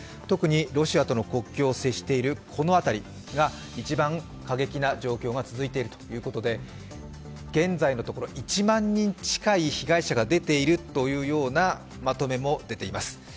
特にロシアとの国境を接しているこの辺りが一番、過激な状況が続いているということで現在のところ１万人近い被害者が出ているというようなまとめも出ています。